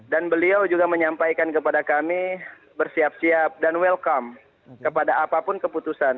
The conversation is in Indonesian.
beliau juga menyampaikan kepada kami bersiap siap dan welcome kepada apapun keputusan